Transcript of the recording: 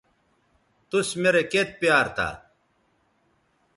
توس میرے کیئت پیار تھا